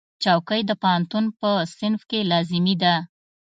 چوکۍ د پوهنتون په صنف کې لازمي ده.